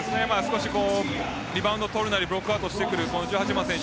リバウンド取るなりブロックアウトしてくる１８番の選手